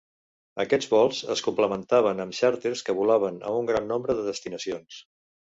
Aquests vols es complementaven amb xàrters que volaven a un gran nombre de destinacions.